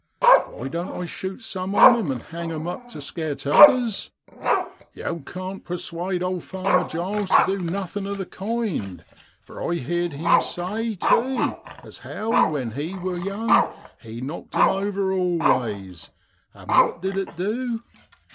Why doan't I shute some on 'em, and hang 'em up to scare t'others ? Yow can't per MARCH IN BROADLAND. 27 suade owd Farmer Giles tu du nothin' of the kind, for I heer'd him say tu as how, when he wor young, he knocked 'em over all ways, an' what did it du?